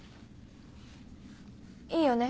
いいよね？